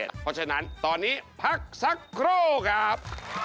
เพราะฉะนั้นตอนนี้พักสักครู่ครับ